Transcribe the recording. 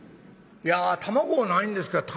いや卵ないんですか。